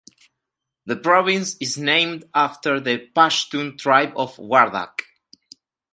The province is named after the Pashtun tribe of Wardak.